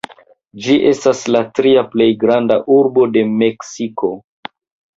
Ĝi estas la tria plej granda urbo de Meksiko.